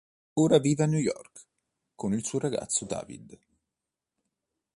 Ora vive a New York con il suo ragazzo David.